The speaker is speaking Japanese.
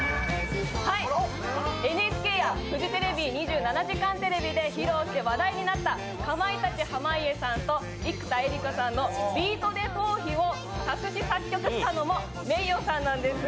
ＮＨＫやフジテレビ「２７時間テレビ」で披露して話題になったかまいたち・濱家さんと生田絵梨花さんの「ビートＤＥトーヒ」を作詞作曲したのもｍｅｉｙｏさんなんです。